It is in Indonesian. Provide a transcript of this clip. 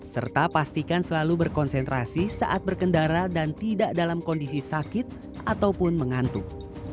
serta pastikan selalu berkonsentrasi saat berkendara dan tidak dalam kondisi sakit ataupun mengantuk